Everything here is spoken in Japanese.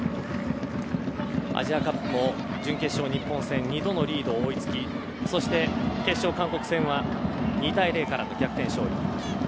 アジアカップも準決勝、日本戦２度のリード、追いつきそして決勝、韓国戦は２対０からの逆転勝利。